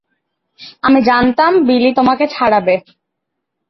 আমি জানতাম বিলি তোমাকে ছাড়াবে।